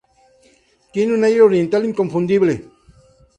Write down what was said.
Tiene un aire Oriental inconfundible.